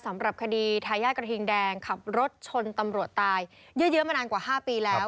สำหรับคดีทายาทกระทิงแดงขับรถชนตำรวจตายยืดเยอะมานานกว่า๕ปีแล้ว